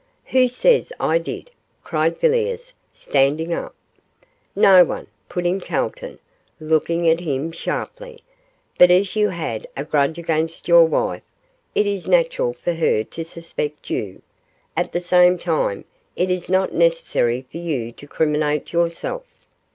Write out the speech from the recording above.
'Who says I did?' cried Villiers, standing up. 'No one,' put in Calton, looking at him sharply, 'but as you had a grudge against your wife, it is natural for her to suspect you, at the same time it is not necessary for you to criminate yourself.